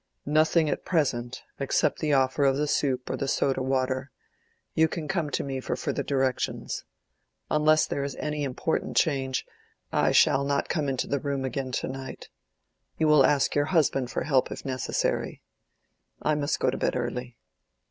"Nothing at present, except the offer of the soup or the soda water: you can come to me for further directions. Unless there is any important change, I shall not come into the room again to night. You will ask your husband for help if necessary. I must go to bed early."